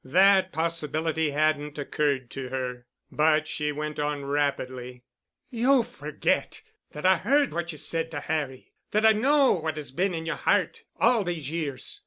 That possibility hadn't occurred to her. But she went on rapidly. "You forget that I heard what you said to Harry—That I know what has been in your heart all these years.